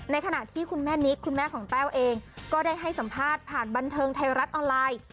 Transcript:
ขณะที่คุณแม่นิกคุณแม่ของแต้วเองก็ได้ให้สัมภาษณ์ผ่านบันเทิงไทยรัฐออนไลน์